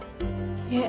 いえ。